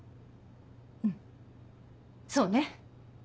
うんそうね。